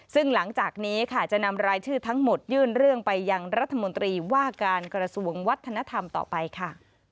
ซึ่งหลังจากนี้ค่ะจะนำรายชื่อทั้งหมดยื่นเรื่องไปยังรัฐมนตรีว่าการกระทรวงวัฒนธรรมต่อไปค่ะ